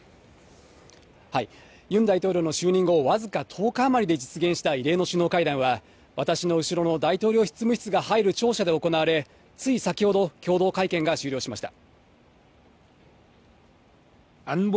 ユン大統領の就任後、僅か１０日余りで実現した、異例の首脳会談は、私の後ろの大統領執務室が入る庁舎で行われ、つい先ほど、共同会見が終了しました。